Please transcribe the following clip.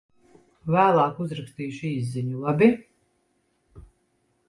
Vēlāk uzrakstīšu īsziņu, labi?